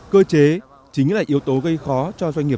cơ chế chính là yếu tố gây khó cho doanh nghiệp